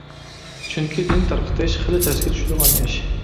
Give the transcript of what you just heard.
چۈنكى دىن تارقىتىش خېلى تەسكە چۈشىدىغان ئىش.